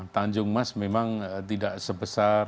tanjung mas memang tidak sebesar